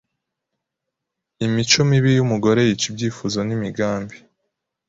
Imico mibi y’umugore yica ibyifuzo n’imigambi